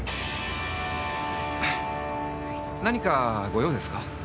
何かご用ですか？